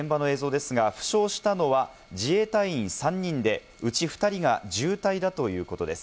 こちら現場の映像ですが、負傷したのは自衛隊員３人で、うち２人が重体だということです。